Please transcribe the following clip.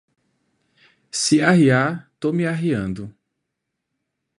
Se arriar, tô me arriando